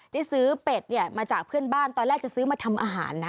ได้ซื้อเป็ดเนี่ยมาจากเพื่อนบ้านตอนแรกจะซื้อมาทำอาหารนะ